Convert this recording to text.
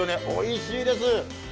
おいしいです。